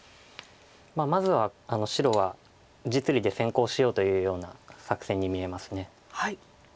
まずは白は実利で先行しようというような作戦に見えます。